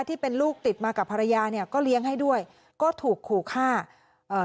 ที่เป็นลูกติดมากับภรรยาเนี่ยก็เลี้ยงให้ด้วยก็ถูกขู่ฆ่าเอ่อ